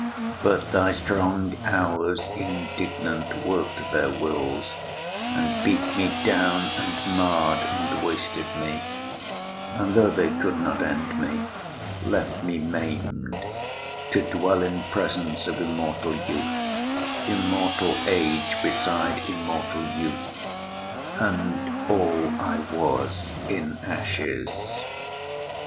But thy strong Hours indignant work'd their wills, And beat me down and marr'd and wasted me, And tho' they could not end me, left me maim'd To dwell in presence of immortal youth, Immortal age beside immortal youth, And all I was, in ashes.